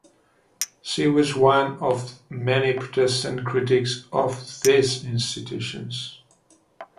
She was one of many Protestant critics of these institutions.